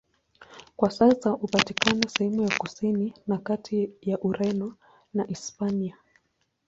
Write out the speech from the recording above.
Kwa sasa hupatikana sehemu ya kusini na kati ya Ureno na Hispania.